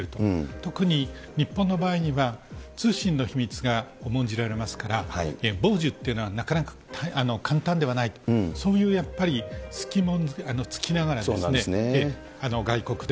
特に日本の場合には、通信の秘密が重んじられますから、傍受っていうのはなかなか簡単ではないと、そういうやっぱり、隙もつきながら、外国で。